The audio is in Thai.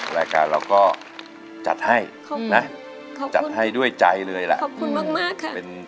รายการเราก็จัดให้นะจัดให้ด้วยใจเลยแหละ